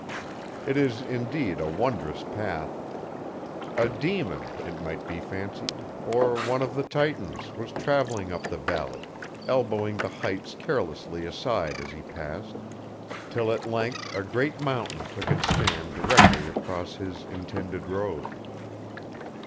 It is, indeed, a wondrous path. A demon, it might be fancied, or one of the Titans, was travelling up the valley, elbowing the heights carelessly aside as he passed, till at length a great mountain took its stand directly across his intended road.